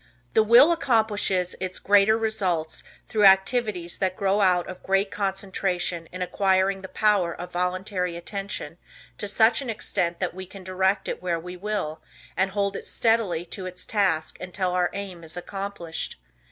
The Will accomplishes its greater results through activities that grow out of great concentration in acquiring the power of voluntary attention to such an extent that we can direct it where we will and hold it steadily to its task until our aim is accomplished.